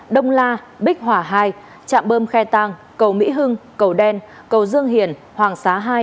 đông la bích hỏa hai trạm bơm khe tàng cầu mỹ hưng cầu đen cầu dương hiển hoàng xá hai